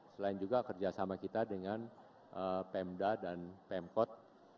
selain juga kerjasama kita dengan pemda dan pemkot